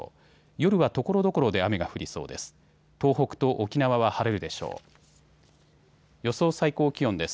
夜はところどころで雨が降りそうです。